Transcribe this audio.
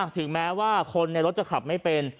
ถึงแม้ว่าคนในรถจะขับไม่เป็น